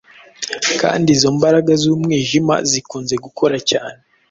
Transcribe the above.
kandi izo mbaraga z’umwijima zikunze gukora cyane